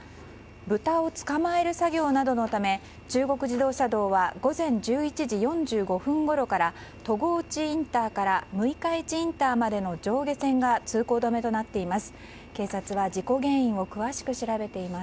豚を捕まえる作業などのため中国自動車道は午前１１時４５分ごろから戸河内インターから六日市インターまでの上下線が通行止めとなっています。